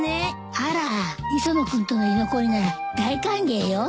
あら磯野君との居残りなら大歓迎よ。